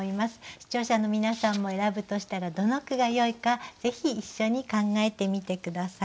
視聴者の皆さんも選ぶとしたらどの句がよいかぜひ一緒に考えてみて下さい。